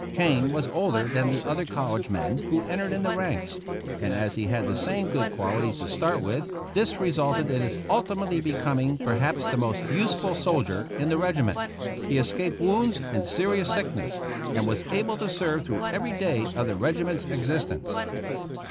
Kane was older than the other college men who entered in the ranks ; and as he had the same good qualities to start with, this resulted in his ultimately be coming perhaps the most useful soldier in the reg iment. He escaped wounds and serious sickness, and was able to serve through every day of the regiment's existence.